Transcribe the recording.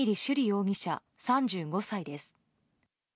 容疑者、３５歳です。